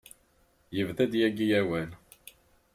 Yebda-d yagi awal.